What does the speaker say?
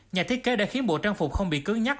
nhà thiết kế đã khiến bộ trang phục không bị cứng nhắc